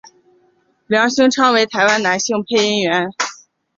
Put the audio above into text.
梁兴昌为台湾男性配音员。